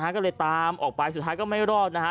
ก็เลยตามออกไปสุดท้ายก็ไม่รอดนะฮะ